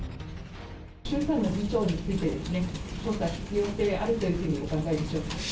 衆参の議長について、調査、必要性あるというふうにお考えでしょうか。